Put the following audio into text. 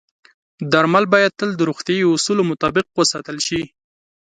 درمل باید تل د روغتیايي اصولو مطابق وساتل شي.